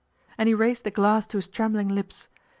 And he raised the glass to his trembling lips.